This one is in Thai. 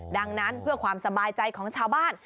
ดังนั้นเพื่อความสบายใจของชาวบ้าน